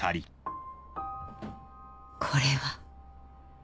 これは